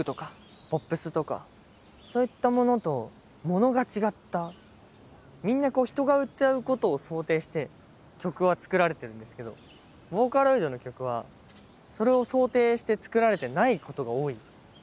何でかっていうと僕がみんなこう人が歌うことを想定して曲は作られてるんですけどボーカロイドの曲はそれを想定して作られてないことが多い。